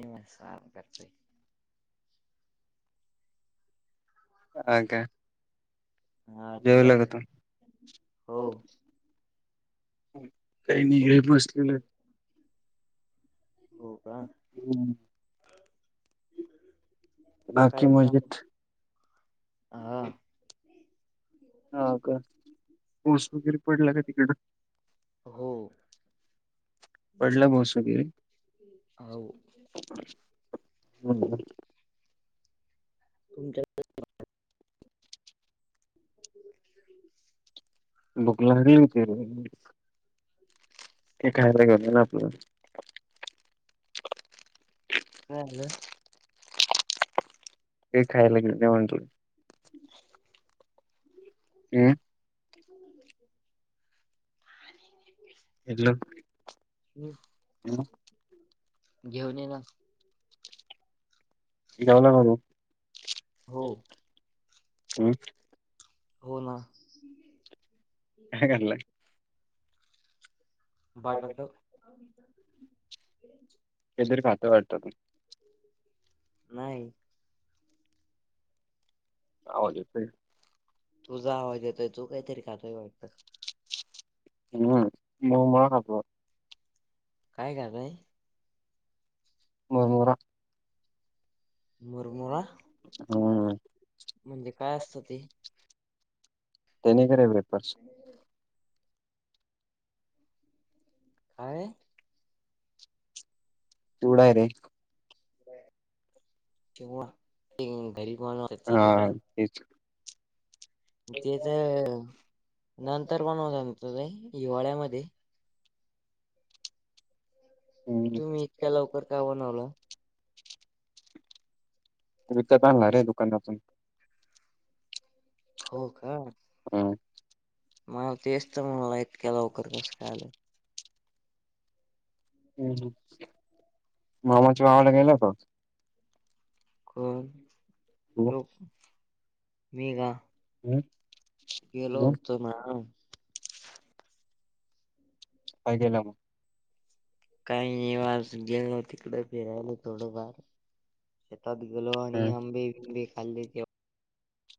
इ स करत हा का? हा जेवला काय का तू? हो काही नाही? घे बसलेलो. हो का अछ नाकी काय काम मजिद हा हाव का, ऊस वगैरे पडला का तिकडं? पडला पाऊस वगैरे. हो हम्म [unintelligible] तुमच्या ह् बुगलाारी ते ते खायला गेलं ना आपलं हो हे खायला घेवून ये म्हंटलं. [inaudible] [unintelligible] हम् हम्म हॅलो घेऊन ये ना जावला करू हो हम् हो ना काय खाल्लाय? बाटात ते जरी खातं वाटतं नाही. हज ते तुझा आवाज येतोय तू काहीतरी खातोय वाटत हम्म म मा हबवा काय का बाय मरमरा मरमरा हो म्हणजे काय असत ते त्यानीकरवेपर्स कााय तूडा रे केव गरीबन हा तेच त्याच नंतर कोण होत त हिवाळ्यामध्ये ग हम्म तुम्ही इतका लवकर का बनवला तू इथत आणला रे दुकानातून हो का हम माग तेस् म्हणालातक्यालाोकर कस काले हुं हुं मामाच्या गावाला गेला होता कोण हम्म तो मी का हुं गेलो होतो ना काय केला म? काही नाही ब आज गेलो तिकड फिरायल थोडंफार शेतात गेलो आणि हम्म. आंबे बिबे खाल्ले ते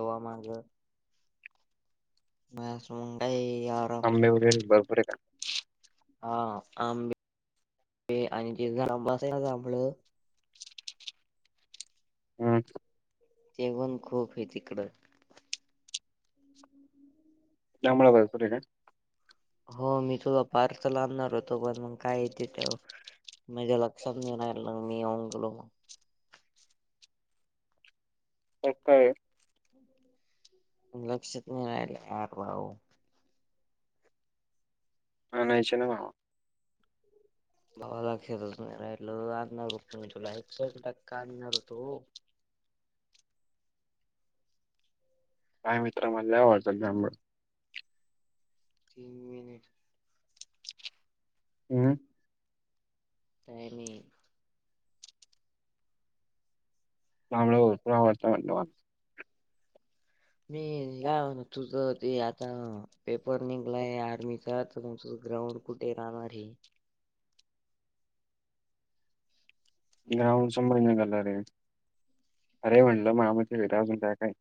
हवा [unintelligible] म्हस उंडाई या आंबे वगैरे भरपूर आता. हा आंबे आणि ते जांभळं अस ना ते जांभळं हम्म. जेवण खूप हे तिकडं. त्यामुळं [unintelligible] हो मी तुला पार्सल आणार होतो पण मग काय येते [unintelligible] माझ्या लक्षात नाही राहील मी येऊन गेलो काय काय? लक्षात नाही राहिल [unintelligible] आनायचे ना म. भावा लक्ष्यात आजून रहित आणणार होतो मी तुला एकसे एक टक्का आणणार होतो माय मित्र म्हणाल्यावर वर [unintelligible] आंब तीन मिनिट हम्म. काय नाही तांबड [unintelligible] आवडत म्हटलं मला मी गावाहून तुझं ते आता पेपर निघलाय आर्मीचा तर तुमच ग्राउंड कुठे राहणार आहे? ग्राउंड समोर निघालं रे अरे म्हणलं माया मित्र [unintelligible] काय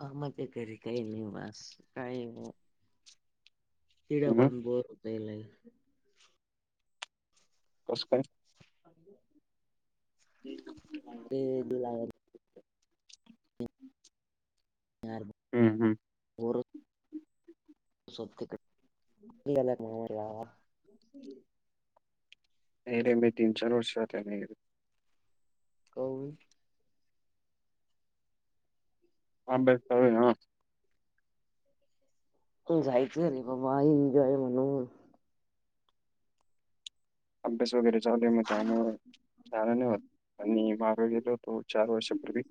मामाच्या घरी काही नाही बास काही नाही. ठीक आहे हम्म आपण बोर होतय लई. कसं काय? [unintelligible] [unintelligible] ते लाग यार ब हुं, हुं. पोरं सोड तिकडं मुली याल्यात म्हण मला नाही रे मी तीन चार वर्षात नाही काऊन? अभ्यास चालू हे ना. जायचं रे बाबा एन्जॉय म्हणून. अभ्यास वगैरे जाऊदे म्हणलं त्यामुळं [unintelligible] नाही होत आणि माग गेलो होतो चार वर्षापूर्वी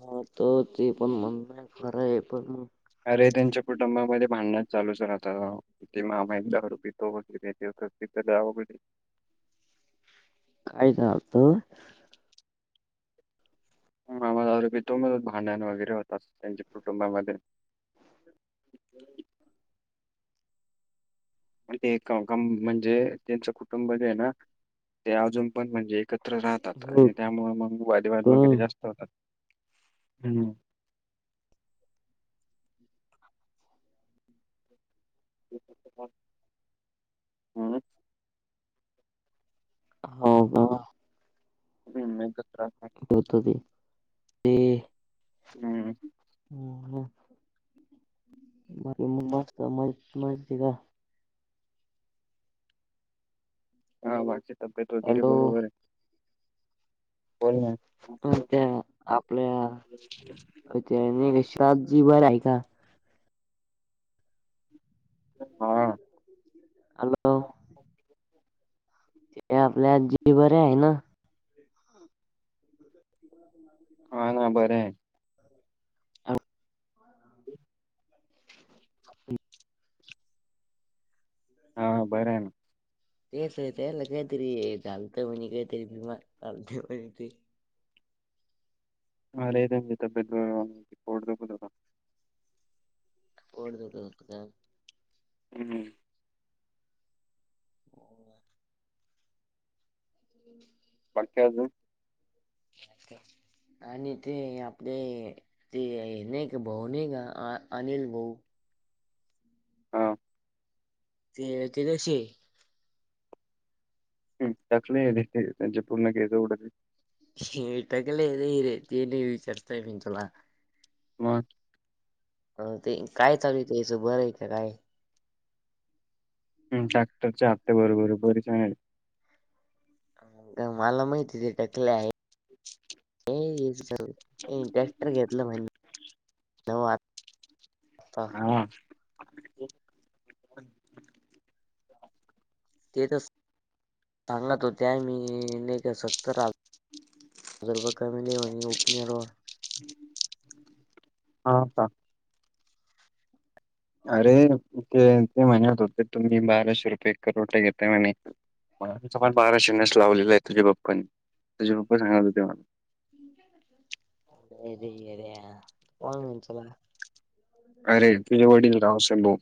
हा तो ते पण म्हणं खरं आहे पण अरे त्यांच्या कुटुंबामध्ये भांडण चालूच राहता. ते मामा एक दारू पितो [unintelligible] तिचं लई आवघड आहे काय झालत? मामा दारू पितो म भांडण वगैरे होता अस त्यांच्या कुटुंबामध्ये आण ते एक काका म्हणजे त्यांच कुटुंब जे आहे ना ते अजून पण म्हणजे एक त्र राहतात हो आणि त्यामुळ म वादेवाद का वगैरे जास्त होतात हुं. हम हो का ह मत रा होत ते ते हम्म की मस्त म मज का हा वाची तब्येत वगैरे हॅलो बरोबर आहे बोल ना हो त्या आपल्या त्या शातजी बर आहे का हा हॅलो ते आपल्या जी बरे आहे ना हा ना बरं अ ह हा हा बरं आहे ना तेचेत काहीतरी चालत म्हणी काहीतरी भीमा चालते म्हणी त हालें तब्बेत फड दबद ड होत का हम् हम हो त बाकी्याजून आणि ते आपले ते नाही का भाऊ नाही का अनिल भाऊ हा ते ते तशी दाखली त्यांच्या पूर्ण घच उड इटकलेद रेतीनी विचारतय मिचला वा अ ते काय चालू ते याचं बरं आहे का काय ह टॅक्टरचे ह्ते बरोबर बरीच मला माहिती ते टकले आहे ट्रॅक्टर घेतलं म्हण नता हा ते तर सांगत हो त्या मी नवत राल हज रुप कामली व उपनर हा का अरे ते ते म्हणत होते तुम्ही बाराशे रुपये करोटे घेतय म्हणे मला समाार बाराशे नस लावलेला आहे तुझ्या बाप्पाांनी तुे पप्पा सांगणार होते मला अ येरण मि चला अरे तिजवाडीील तमसा बून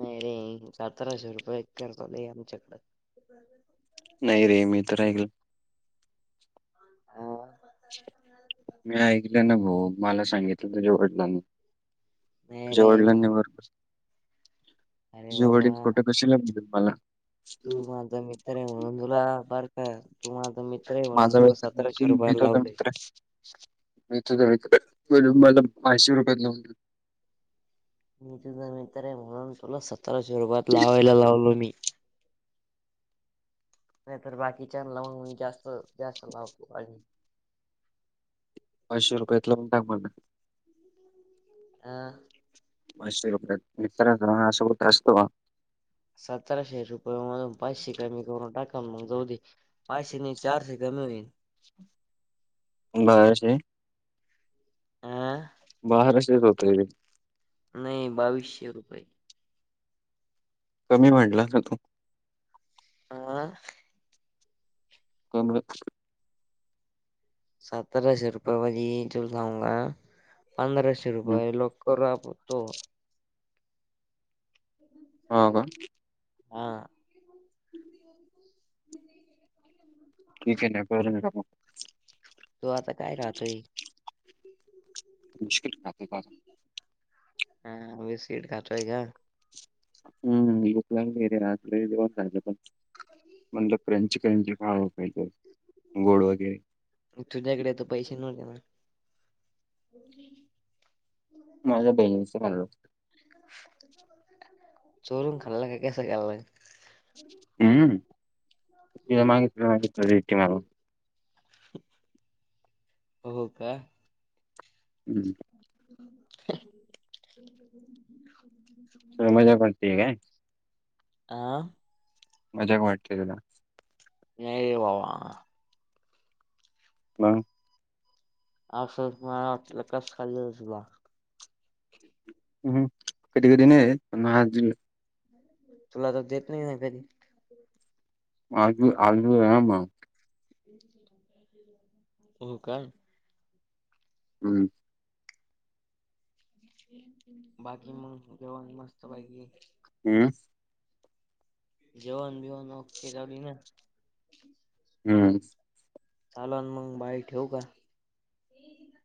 नाही रे सतराशे रुपये एक करतले आमच्याकडं बरोबर नाही रे म इथरयगला हो मी ऐकलं ना भाऊ मला सांगितलं तुझेवटलाने नाही तझ्या रे वडलांनी बर अरे तवड बाबा एक फोटो कशी लागते तुम्हाला तू माझा मित्र आहे म्हणून तुला बर का तू माझा मित्र आहे म्हणून तुला स तु भट होता मित्र मथ मला माशवर [unintelligible] मी तुझा मित्र आहे म्हणून तुला सतराशे रुपयाात लावायला लावलो मी. नाही तर बाकीच्याला लावून मी जास्त जास्त लावतो आणि पाचशे रुपयात लावून टाक मग. हह मय इतर जण अ असुभूत असोवा [unintelligible] सतराशे रुपये मधून पाचशे कमी करून टाका मग जाऊ दे. पाचशे आणि चारशे कमी होईल. बराशे. अ बाराशेच होतय रे. नाही बावीसशे रुपये. कमी म्हडला ना तू आ पणच [unintelligible] सतराशे रुपयेमधी तूला सांगू का पंधराशे हम्म. रुपये लोक करू आपण तो. हो का. हा ठीक आहे ना बार मी बगु. तू आता काय खातोय. बिस्कीट खातोय पा हा बिस्कीट खातोय का हम् भूक लागलि रे रात्री जेवण झालं पण. म्हणलं फ्रेंच करेंच खाव काही तर गोड वगैरे. तुझ्याकडे तर पैसे नव्हते ना. माझ्या बहिणीच खल. चोरून खाल्ला का कस खाल हम्म तिला मागितल्या मागितल्या देते मला. हो का. हम्म [unintelligible] तुला मजाक वाटते काय. आं मजाक वाटते तुला. नाही रे बाबा. मग. असं मला वाट कस खाल आसल बा. ह कधी कधी नाही देत पण म आज दिलं. तुला तर देत नाही न कधी. आज दि आजदिलं ना मग. हो का. हम् बाकी मग जेवण मस्त पाैकी. हम जेवन बिवन ओके चालूहाय ना. हम्म. चालना मग बाई ठेवू का.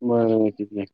बर तती नाही